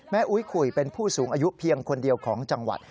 อุ๊ยขุยเป็นผู้สูงอายุเพียงคนเดียวของจังหวัด